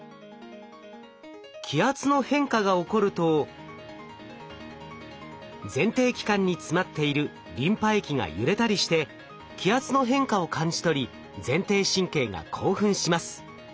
気圧の変化が起こると前庭器官に詰まっているリンパ液が揺れたりして気圧の変化を感じ取り前庭神経が興奮します。